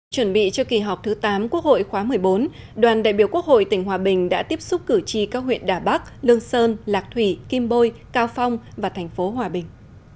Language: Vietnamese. chuẩn bị cho kỳ họp thứ tám quốc hội khóa một mươi bốn đoàn đại biểu quốc hội tỉnh hòa bình đã tiếp xúc cử tri các huyện đà bắc lương sơn lạc thủy kim bôi cao phong và thành phố hòa bình